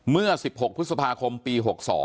เมื่อ๑๖พฤษภาคมปี๖๒